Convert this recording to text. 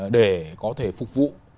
để có thể phục vụ